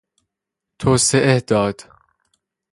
توسعه داد